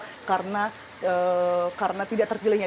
tetapi boy membantah bahwa tidak mendukung ahok